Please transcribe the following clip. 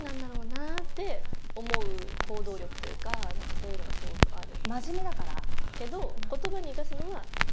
そういうのがすごくある。